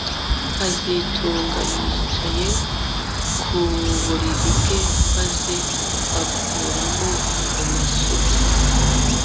kazitunga yicaye ku buriri bwe maze akuramo amasogisi